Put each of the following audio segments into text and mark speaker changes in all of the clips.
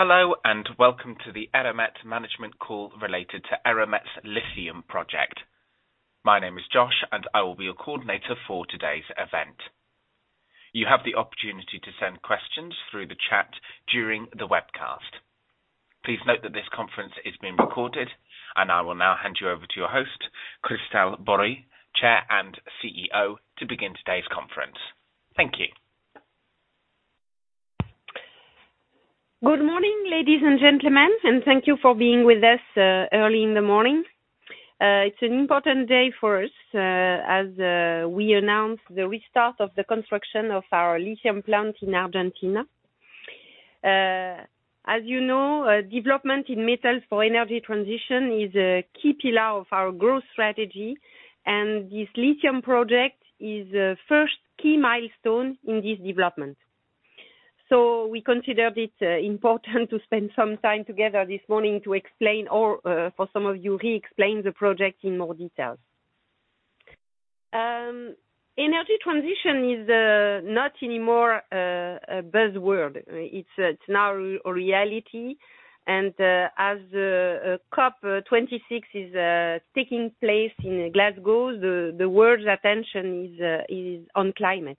Speaker 1: Hello, and welcome to the Eramet management call related to Eramet's lithium project. My name is Josh, and I will be your coordinator for today's event. You have the opportunity to send questions through the chat during the webcast. Please note that this conference is being recorded, and I will now hand you over to your host, Christel Bories, Chair and CEO, to begin today's conference. Thank you.
Speaker 2: Good morning, ladies and gentlemen, and thank you for being with us early in the morning. It's an important day for us as we announce the restart of the construction of our lithium plant in Argentina. As you know, development in metals for energy transition is a key pillar of our growth strategy, and this lithium project is the first key milestone in this development. We considered it important to spend some time together this morning to explain or, for some of you, re-explain the project in more details. Energy transition is not anymore a buzzword. It's now a reality. As COP26 is taking place in Glasgow, the world's attention is on climate.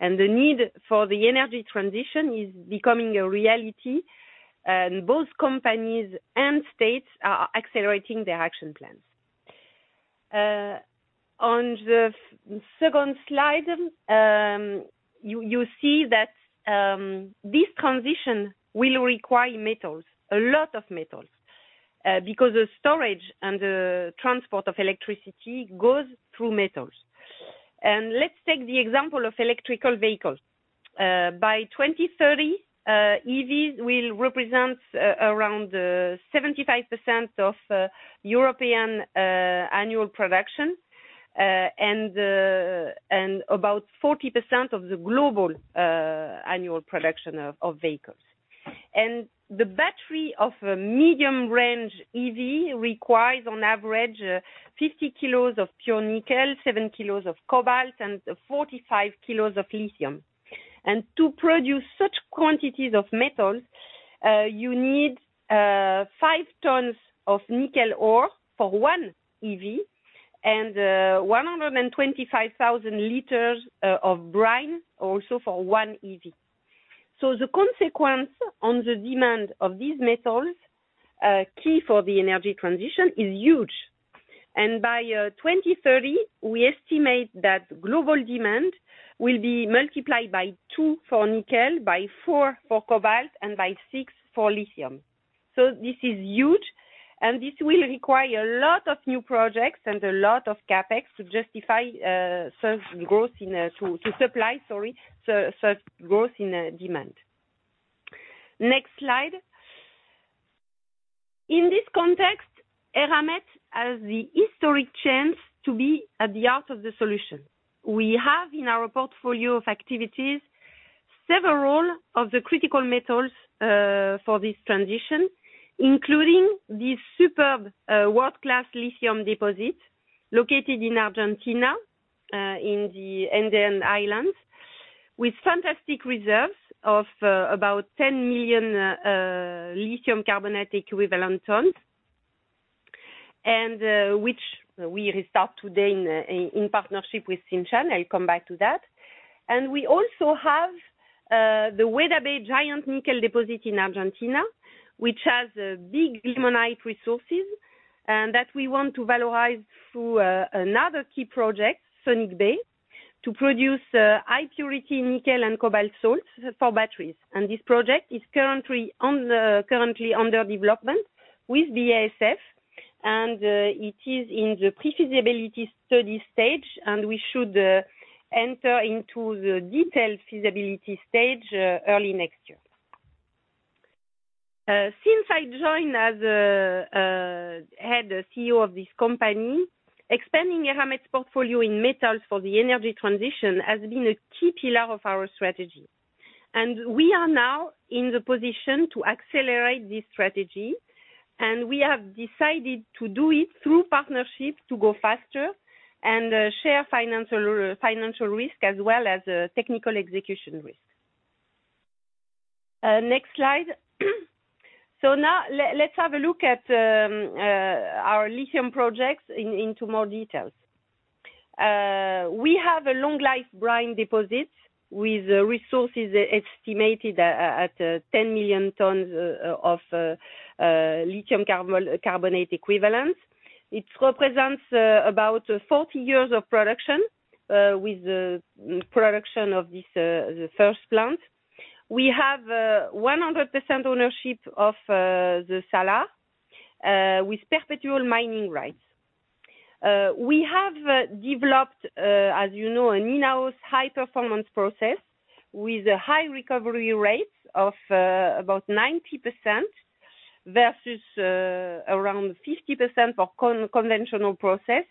Speaker 2: The need for the energy transition is becoming a reality, and both companies and states are accelerating their action plans. On the second slide, you see that this transition will require metals, a lot of metals, because the storage and the transport of electricity goes through metals. Let's take the example of electric vehicles. By 2030, EVs will represent around 75% of European annual production, and about 40% of the global annual production of vehicles. The battery of a medium range EV requires on average 50 kilos of pure nickel, 7 kilos of cobalt, and 45 kilos of lithium. To produce such quantities of metals, you need five tons of nickel ore for one EV and 125,000 liters of brine also for one EV. The consequence on the demand of these metals, key for the energy transition, is huge. By 2030, we estimate that global demand will be multiplied by two for nickel, by four for cobalt, and by six for lithium. This is huge, and this will require a lot of new projects and a lot of CapEx to supply such growth in demand. Next slide. In this context, Eramet has the historic chance to be at the heart of the solution. We have in our portfolio of activities several of the critical metals for this transition, including this superb world-class lithium deposit located in Argentina in the Andean Highlands, with fantastic reserves of about 10 million lithium carbonate equivalent tons, which we restart today in partnership with Tsingshan. I'll come back to that. We also have the Weda Bay giant nickel deposit in Indonesia, which has big limonite resources and that we want to valorize through another key project, Sonic Bay, to produce high purity nickel and cobalt salts for batteries. This project is currently under development with BASF, and it is in the pre-feasibility study stage, and we should enter into the detailed feasibility stage early next year. Since I joined as head CEO of this company, expanding Eramet's portfolio in metals for the energy transition has been a key pillar of our strategy. We are now in the position to accelerate this strategy, and we have decided to do it through partnerships to go faster and share financial risk as well as technical execution risk. Next slide. Now let's have a look at our lithium projects in more details. We have a long life brine deposit with resources estimated at 10 million tons of lithium carbonate equivalent. It represents about 40-years of production with the production of this, the first plant. We have 100% ownership of the Salar with perpetual mining rights. We have developed, as you know, an in-house high-performance process with a high recovery rate of about 90% versus around 50% for conventional process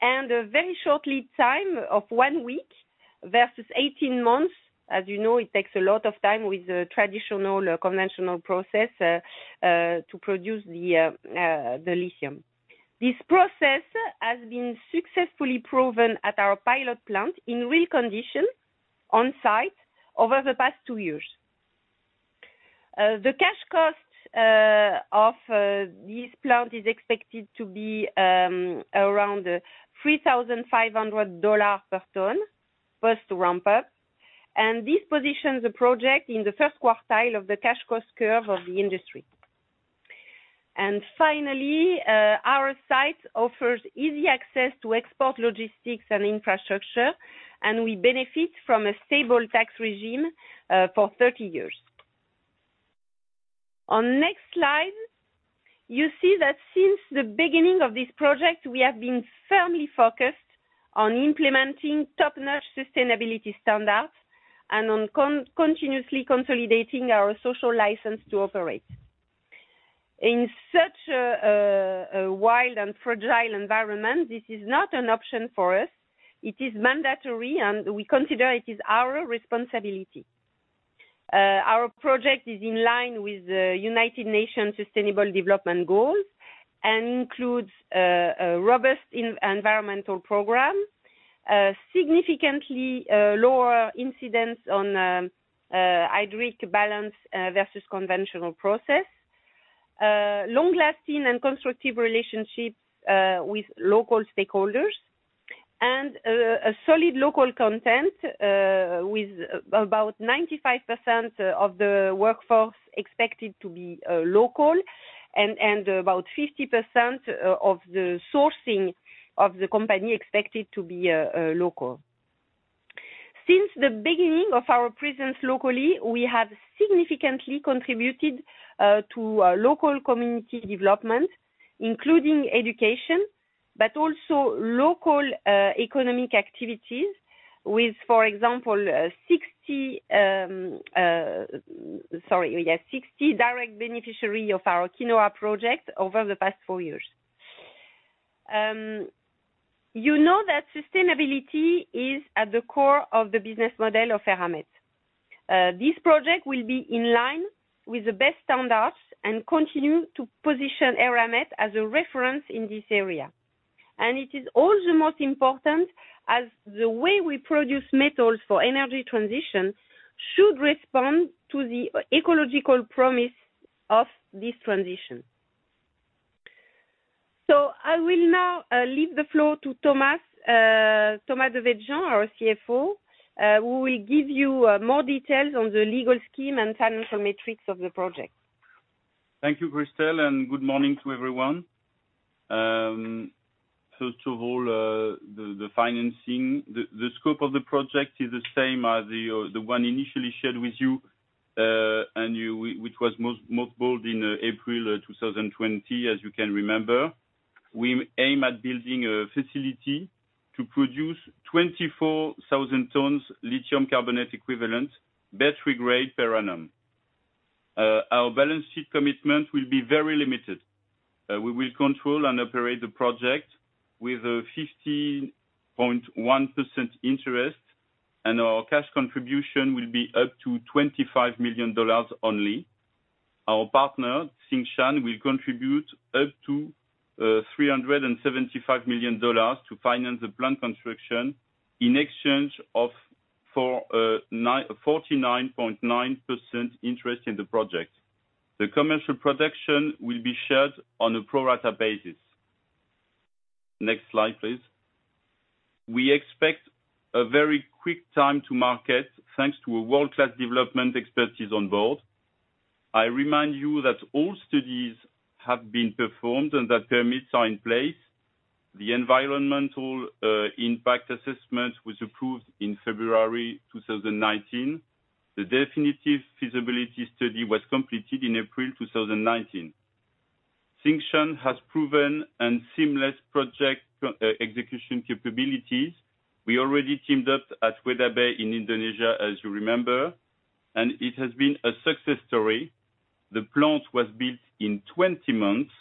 Speaker 2: and a very short lead time of one week versus 18 months. As you know, it takes a lot of time with the traditional conventional process to produce the lithium. This process has been successfully proven at our pilot plant in real conditions on site over the past two-years. The cash cost of this plant is expected to be around $3,500 per ton post ramp-up. This positions the project in the first quartile of the cash cost curve of the industry. Finally, our site offers easy access to export logistics and infrastructure, and we benefit from a stable tax regime for 30-years. On next slide, you see that since the beginning of this project, we have been firmly focused on implementing top-notch sustainability standards and on continuously consolidating our social license to operate. In such a wild and fragile environment, this is not an option for us. It is mandatory, and we consider it is our responsibility. Our project is in line with the United Nations Sustainable Development Goals and includes a robust environmental program, significantly lower incidents on hydric balance versus conventional process. Long-lasting and constructive relationships with local stakeholders. A solid local content with about 95% of the workforce expected to be local and about 50% of the sourcing of the company expected to be local. Since the beginning of our presence locally, we have significantly contributed to local community development, including education, but also local economic activities with, for example, 60 direct beneficiary of our Quinoa project over the past four-years. You know that sustainability is at the core of the business model of Eramet. This project will be in line with the best standards and continue to position Eramet as a reference in this area. It is all the more important as the way we produce metals for energy transition should respond to the ecological promise of this transition. I will now leave the floor to Thomas Devedjian, our CFO, who will give you more details on the legal scheme and financial metrics of the project.
Speaker 3: Thank you, Christel, and good morning to everyone. First of all, the financing, the scope of the project is the same as the one initially shared with you, which was mothballed in April 2020, as you can remember. We aim at building a facility to produce 24,000 tons battery-grade lithium carbonate equivalent per annum. Our balance sheet commitment will be very limited. We will control and operate the project with a 50.1% interest, and our cash contribution will be up to $25 million only. Our partner, Tsingshan, will contribute up to $375 million to finance the plant construction in exchange for 49.9% interest in the project. The commercial production will be shared on a pro rata basis. Next slide, please. We expect a very quick time to market, thanks to a world-class development expertise on board. I remind you that all studies have been performed and that permits are in place. The environmental impact assessment was approved in February 2019. The definitive feasibility study was completed in April 2019. Tsingshan has proven and seamless project execution capabilities. We already teamed up at Weda Bay in Indonesia, as you remember, and it has been a success story. The plant was built in 20 months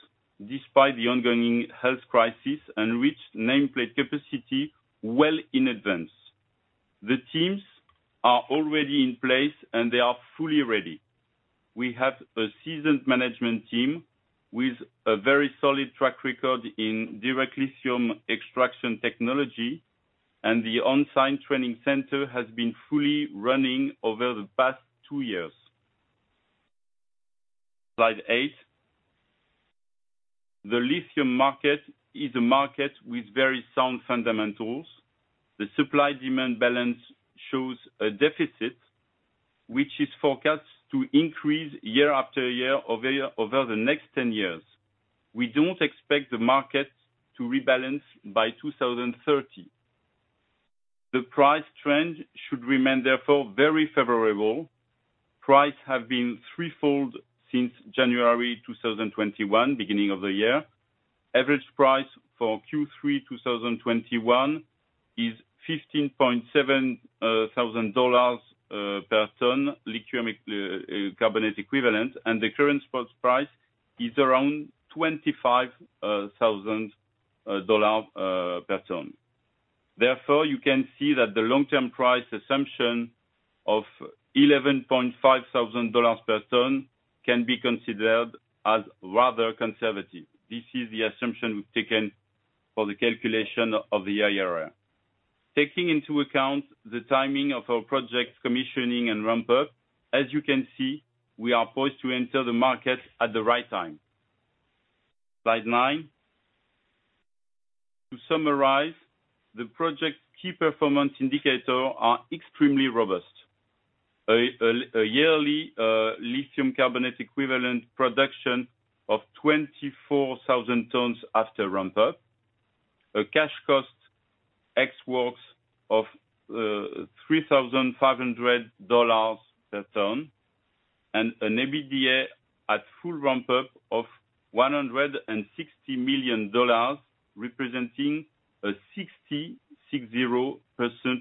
Speaker 3: despite the ongoing health crisis and reached nameplate capacity well in advance. The teams are already in place, and they are fully ready. We have a seasoned management team with a very solid track record in direct lithium extraction technology, and the on-site training center has been fully running over the past 2-years. Slide 8. The lithium market is a market with very sound fundamentals. The supply-demand balance shows a deficit, which is forecast to increase year-after-year over the next 10-years. We don't expect the market to rebalance by 2030. The price trend should remain therefore very favorable. Prices have been threefold since January 2021, beginning of the year. Average price for Q3 2021 is $15,700 per ton lithium carbonate equivalent, and the current spot price is around $25,000 per ton. Therefore, you can see that the long-term price assumption of $11,500 per ton can be considered as rather conservative. This is the assumption we've taken for the calculation of the IRR. Taking into account the timing of our project commissioning and ramp up, as you can see, we are poised to enter the market at the right time. Slide nine. To summarize, the project key performance indicator are extremely robust. A yearly lithium carbonate equivalent production of 24,000 tons after ramp up. A cash cost ex works of $3,500 per ton, and an EBITDA at full ramp up of $160 million representing a 66%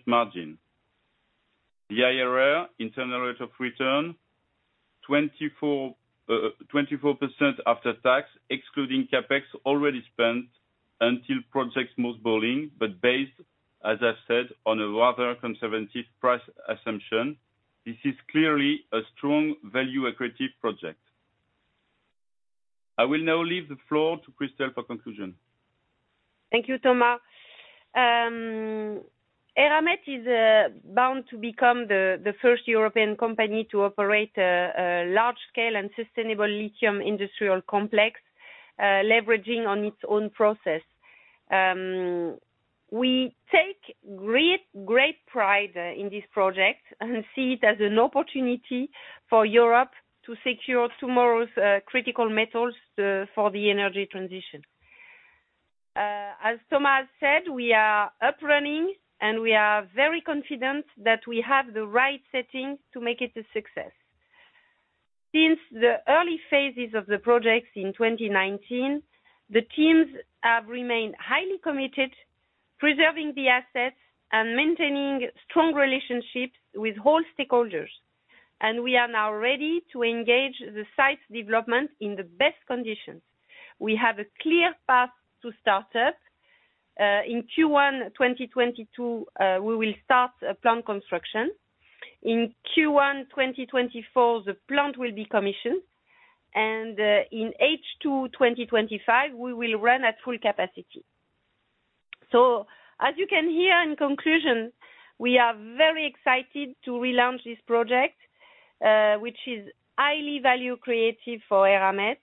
Speaker 3: margin. The IRR, internal rate of return, 24% after tax, excluding CapEx already spent until project's mothballing, but based, as I said, on a rather conservative price assumption. This is clearly a strong value accretive project. I will now leave the floor to Christel for conclusion.
Speaker 2: Thank you, Thomas. Eramet is bound to become the first European company to operate a large scale and sustainable lithium industrial complex, leveraging on its own process. We take great pride in this project and see it as an opportunity for Europe to secure tomorrow's critical metals for the energy transition. As Thomas said, we are up and running, and we are very confident that we have the right setting to make it a success. Since the early phases of the projects in 2019, the teams have remained highly committed, preserving the assets and maintaining strong relationships with all stakeholders. We are now ready to engage the site's development in the best conditions. We have a clear path to start up. In Q1 2022, we will start a plant construction. In Q1 2024, the plant will be commissioned. In H2 2025, we will run at full capacity. As you can hear, in conclusion, we are very excited to relaunch this project, which is highly value-creating for Eramet,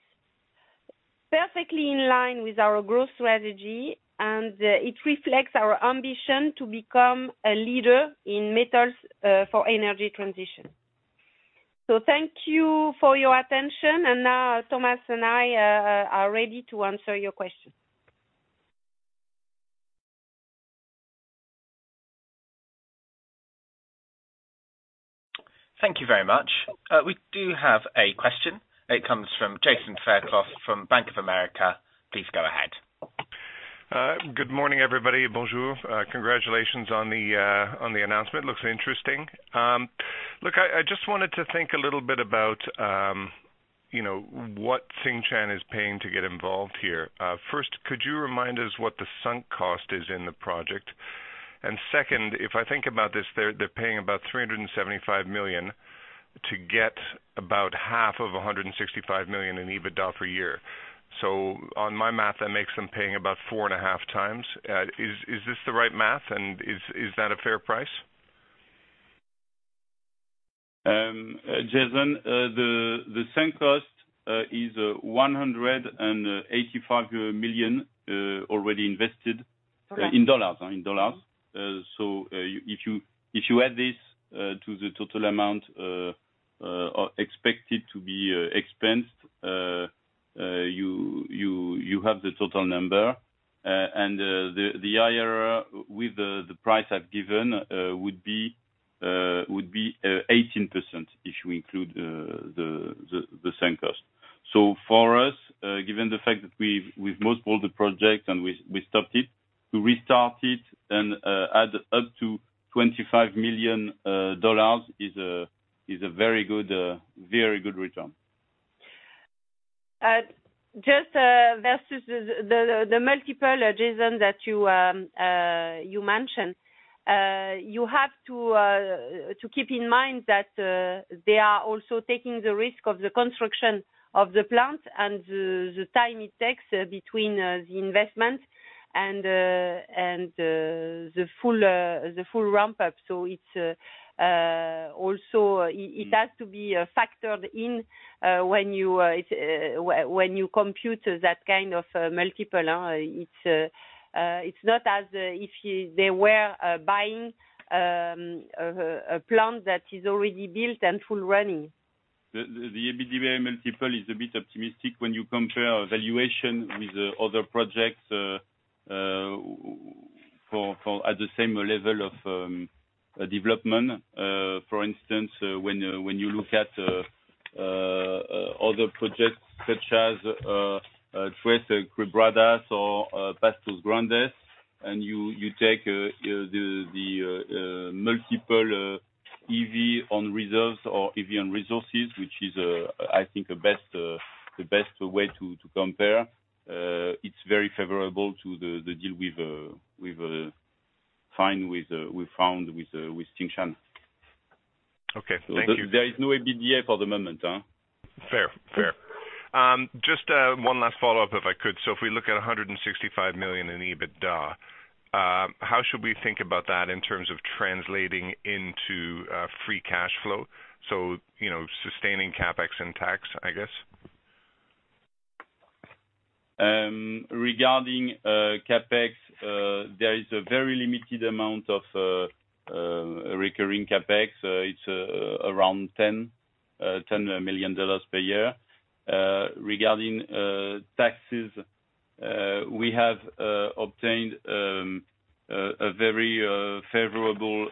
Speaker 2: perfectly in line with our growth strategy, and it reflects our ambition to become a leader in metals for energy transition. Thank you for your attention. Now Thomas and I are ready to answer your question.
Speaker 1: Thank you very much. We do have a question. It comes from Jason Fairclough from Bank of America. Please go ahead.
Speaker 4: Good morning, everybody. Bonjour. Congratulations on the announcement. Looks interesting. Look, I just wanted to think a little bit about, you know, what Tsingshan is paying to get involved here. First, could you remind us what the sunk cost is in the project? Second, if I think about this, they're paying about $375 million to get about half of $165 million in EBITDA per year. On my math, that makes them paying about 4.5 times. Is this the right math, and is that a fair price?
Speaker 3: Jason, the same cost is 185 million already invested.
Speaker 2: For now.
Speaker 3: ...in dollars. If you add this to the total amount expected to be expensed, you have the total number. The IRR with the price I've given would be 18% if we include the same cost. For us, given the fact that we've mothballed all the projects, and we stopped it, to restart it and add up to $25 million is a very good return.
Speaker 2: Just versus the multiple, Jason, that you mentioned, you have to keep in mind that they are also taking the risk of the construction of the plant and the time it takes between the investment and the full ramp up. So it's also, it has to be factored in when you compute that kind of multiple. It's not as if they were buying a plant that is already built and full running.
Speaker 3: The EBITDA multiple is a bit optimistic when you compare valuation with the other projects at the same level of development. For instance, when you look at other projects such as Tres Quebradas or Pastos Grandes, and you take the multiple, EV/Reserves or EV/Resources, which is, I think, the best way to compare. It's very favorable to the deal signed with Tsingshan.
Speaker 4: Okay. Thank you.
Speaker 3: There is no EBITDA for the moment.
Speaker 4: Fair. Just one last follow-up if I could. If we look at 165 million in EBITDA, how should we think about that in terms of translating into free cash flow? You know, sustaining CapEx and tax, I guess.
Speaker 3: Regarding CapEx, there is a very limited amount of recurring CapEx. It's around $10 million per year. Regarding taxes, we have obtained a very favorable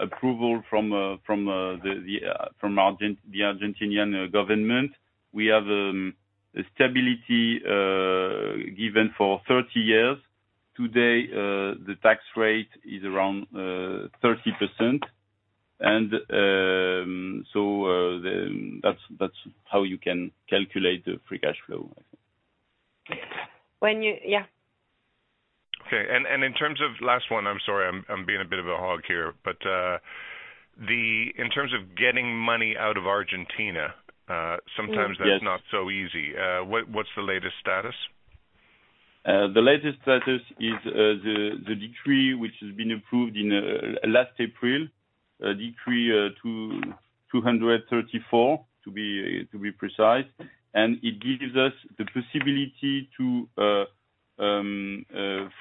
Speaker 3: approval from the Argentinian government. We have a stability given for 30-years. Today, the tax rate is around 30%. That's how you can calculate the free cash flow.
Speaker 2: Yeah.
Speaker 4: Okay. In terms of last one, I'm sorry, I'm being a bit of a hog here. In terms of getting money out of Argentina, sometimes that's not so easy. What's the latest status?
Speaker 3: The latest status is the decree, which has been approved in last April. Decree 234, to be precise. It gives us the possibility to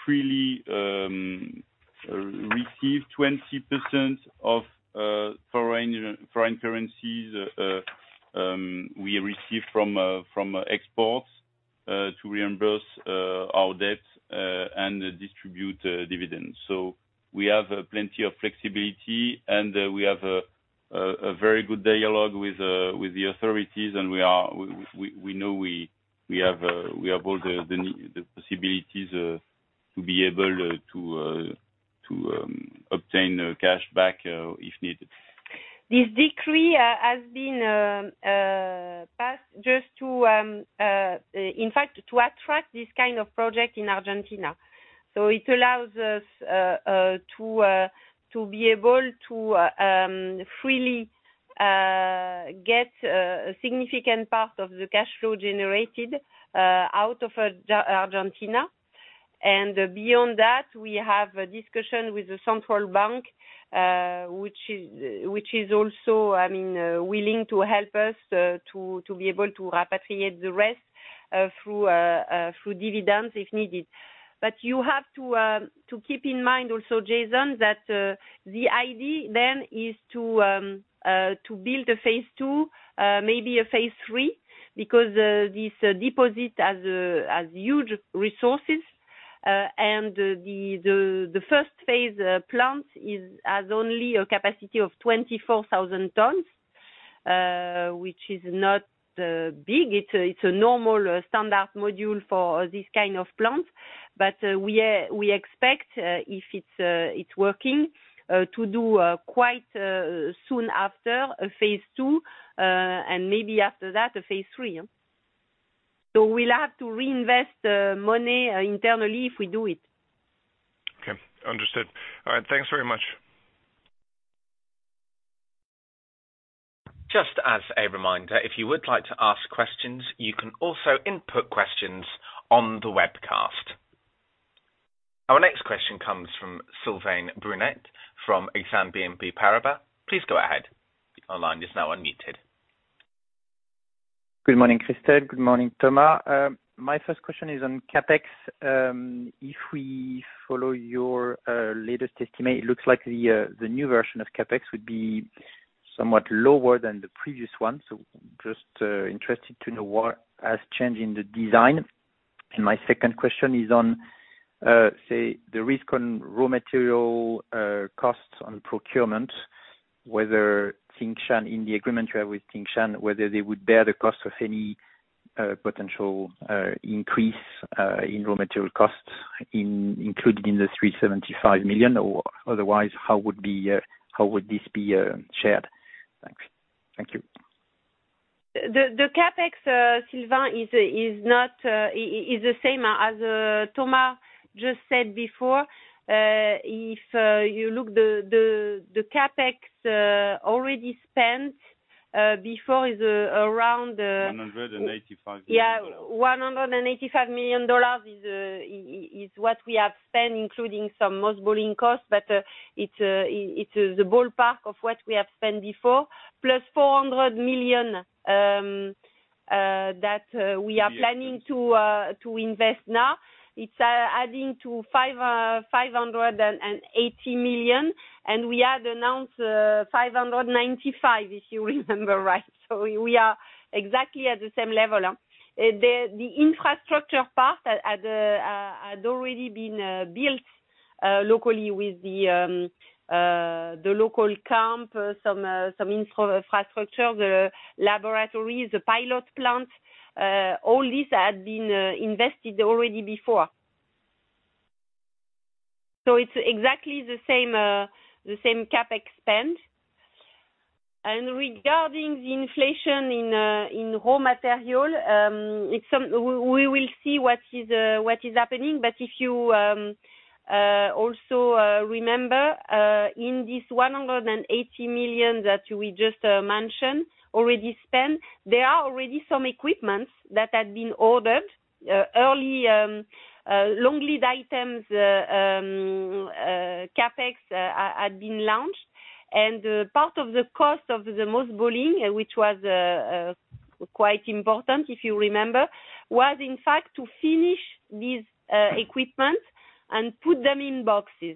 Speaker 3: freely receive 20% of foreign currencies we receive from exports to reimburse our debts and distribute dividends. We have plenty of flexibility and we have a very good dialogue with the authorities. We know we have all the possibilities to be able to obtain cash back if needed.
Speaker 2: This decree has been passed just to, in fact, to attract this kind of project in Argentina. It allows us to be able to freely get a significant part of the cash flow generated out of Argentina. Beyond that, we have a discussion with the Central Bank of Argentina, which is also, I mean, willing to help us to be able to repatriate the rest through dividends if needed. You have to keep in mind also, Jason, that the idea then is to build a phase two, maybe a phase three, because this deposit has huge resources. The first phase plant has only a capacity of 24,000 tons, which is not big. It's a normal standard module for this kind of plant. We expect, if it's working, to do quite soon after a phase two, and maybe after that a phase three. We'll have to reinvest the money internally if we do it.
Speaker 4: Okay, understood. All right, thanks very much.
Speaker 1: Just as a reminder, if you would like to ask questions, you can also input questions on the webcast. Our next question comes from Sylvain Brunet from Exane BNP Paribas. Please go ahead. Your line is now unmuted.
Speaker 5: Good morning, Christel. Good morning, Thomas. My first question is on CapEx. If we follow your latest estimate, it looks like the new version of CapEx would be somewhat lower than the previous one. Just interested to know what has changed in the design. My second question is on the risk on raw material costs on procurement, whether Tsingshan, in the agreement you have with Tsingshan, whether they would bear the cost of any potential increase in raw material costs included in the 375 million, or otherwise, how would this be shared? Thanks. Thank you.
Speaker 2: The CapEx, Sylvain, is not the same as Thomas just said before. If you look at the CapEx already spent before is around
Speaker 3: $185 million.
Speaker 2: Yeah. $185 million is what we have spent, including some MOBO costs, but it's the ballpark of what we have spent before, plus $400 million that we are planning to invest now. It's adding to $585 million, and we had announced $595 million, if you remember right. We are exactly at the same level. The infrastructure part had already been built locally with the local camp, some infrastructure, the laboratories, the pilot plant, all this had been invested already before. It's exactly the same CapEx spend. Regarding the inflation in raw material, it's some... We will see what is happening. If you also remember, in this 180 million that we just mentioned already spent, there are already some equipment that had been ordered early long lead items CapEx had been launched. Part of the cost of the mothballing, which was quite important, if you remember, was in fact to finish these equipment and put them in boxes.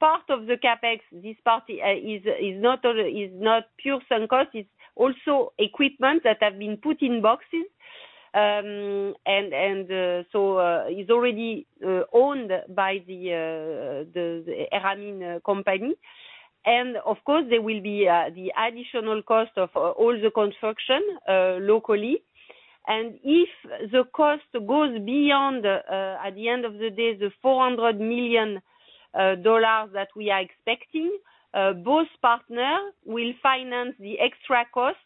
Speaker 2: Part of the CapEx, this part is not only not pure sunk cost. It's also equipment that have been put in boxes. It is already owned by the Eramet company. Of course, there will be the additional cost of all the construction locally. If the cost goes beyond, at the end of the day, the $400 million that we are expecting, both partner will finance the extra cost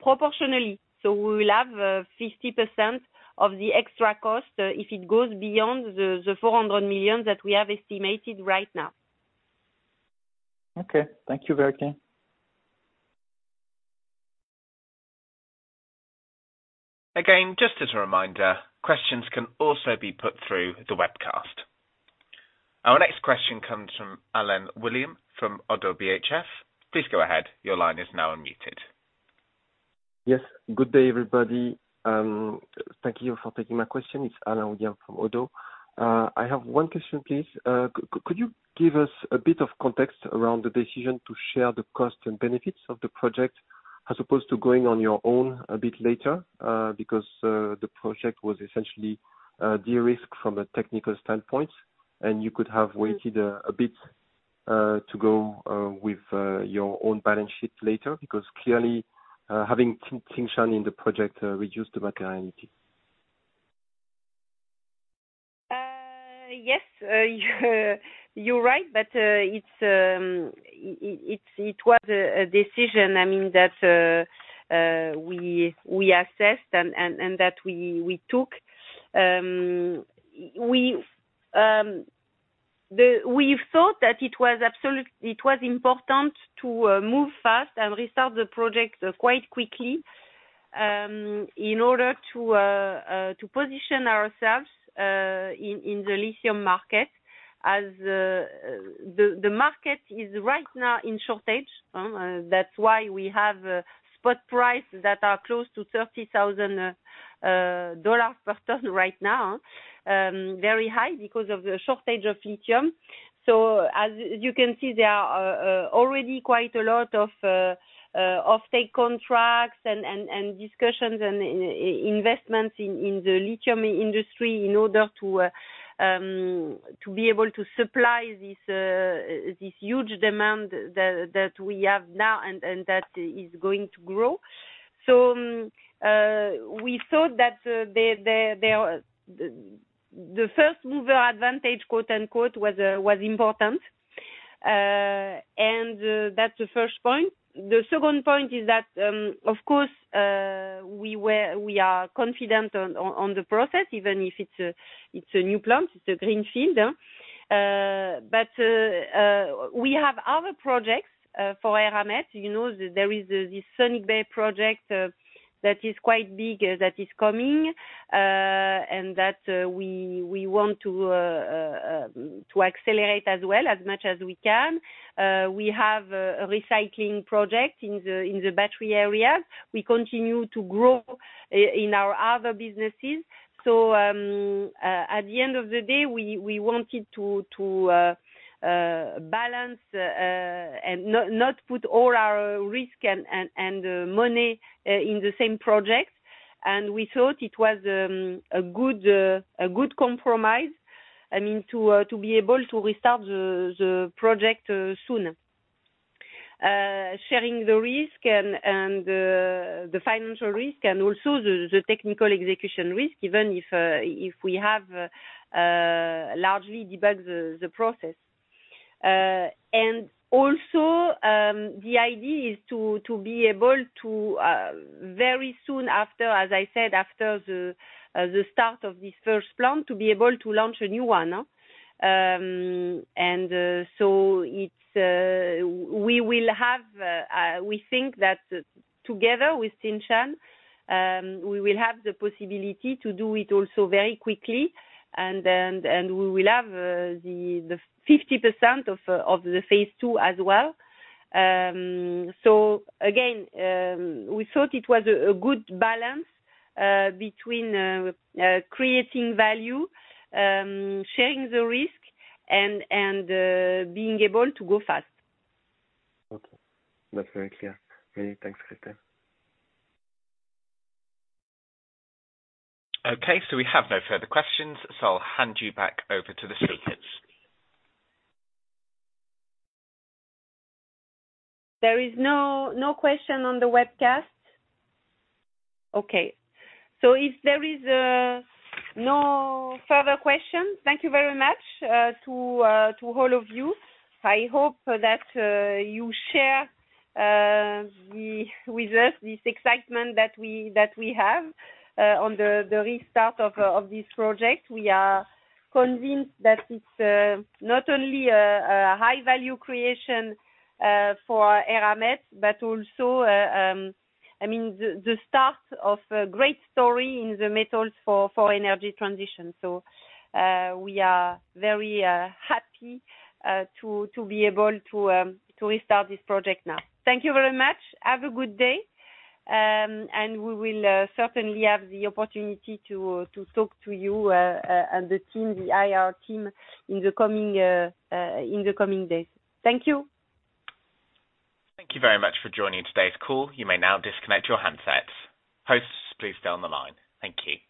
Speaker 2: proportionally. We will have 50% of the extra cost if it goes beyond the $400 million that we have estimated right now.
Speaker 5: Okay. Thank you, very clear.
Speaker 1: Again, just as a reminder, questions can also be put through the webcast. Our next question comes from Alain William from Oddo BHF. Please go ahead. Your line is now unmuted.
Speaker 6: Yes. Good day, everybody. Thank you for taking my question. It's Alain William from Oddo BHF. I have one question, please. Could you give us a bit of context around the decision to share the cost and benefits of the project as opposed to going on your own a bit later, because the project was essentially de-risked from a technical standpoint, and you could have waited a bit to go with your own balance sheet later because clearly, having Tsingshan in the project reduced the viability.
Speaker 2: Yes. You're right, but it was a decision, I mean that we assessed and that we took. We thought that it was absolutely important to move fast and restart the project quite quickly, in order to position ourselves in the lithium market as the market is right now in shortage. That's why we have a spot price that's close to $30,000 per ton right now, very high because of the shortage of lithium. As you can see, there are already quite a lot of offtake contracts and discussions and investments in the lithium industry in order to be able to supply this huge demand that we have now and that is going to grow. We thought that the first mover advantage, quote-unquote, was important. That's the first point. The second point is that, of course, we are confident on the process, even if it's a new plant, it's a greenfield. We have other projects for Eramet. You know, there is this Sonic Bay project that is quite big, that is coming, and that we want to accelerate as well, as much as we can. We have a recycling project in the battery area. We continue to grow in our other businesses. At the end of the day, we wanted to balance and not put all our risk and money in the same project. We thought it was a good compromise, I mean, to be able to restart the project soon. Sharing the risk and the financial risk and also the technical execution risk, even if we have largely debugged the process. The idea is to be able to very soon after, as I said, after the start of this first plant, to be able to launch a new one. We think that together with Tsingshan, we will have the possibility to do it also very quickly and we will have the 50% of the phase two as well. We thought it was a good balance between creating value, sharing the risk and being able to go fast.
Speaker 6: Okay. That's very clear. Great, thanks, Christel Bories.
Speaker 1: Okay, we have no further questions, so I'll hand you back over to the speakers.
Speaker 2: There is no question on the webcast? Okay. If there is no further question, thank you very much to all of you. I hope that you share with us this excitement that we have on the restart of this project. We are convinced that it's not only a high value creation for Eramet, but also I mean the start of a great story in the metals for energy transition. We are very happy to be able to restart this project now. Thank you very much. Have a good day. We will certainly have the opportunity to talk to you and the team, the IR team, in the coming days. Thank you.
Speaker 1: Thank you very much for joining today's call. You may now disconnect your handsets. Hosts, please stay on the line. Thank you.